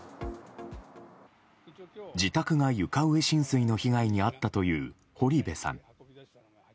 自宅が床上浸水の被害に遭ったという堀部さん。